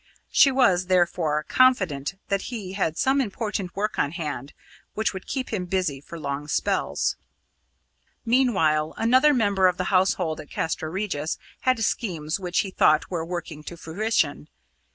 She was, therefore, confident that he had some important work on hand which would keep him busy for long spells. Meanwhile, another member of the household at Castra Regis had schemes which he thought were working to fruition.